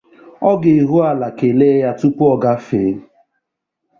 ọ ga ehu ala kelee ya tupuu ọ gafee